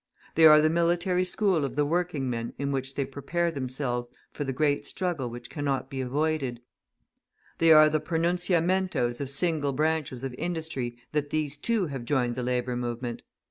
They are the military school of the working men in which they prepare themselves for the great struggle which cannot be avoided; they are the pronunciamentos of single branches of industry that these too have joined the labour movement.